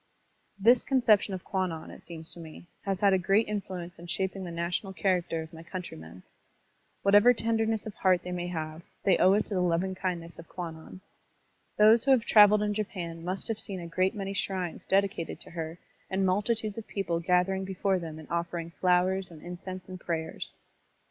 .... This conception of Kwannon, it seems to me, has had a great influence in shaping the national character of my countrymen. Whatever tender ness of heart they may have, they owe it to the lovingkindness of Kwannon. Those who have traveled in Japan must have seen a great many shrines dedicated to her and multitudes of people gathering before them and offering flowers and incense and prayers.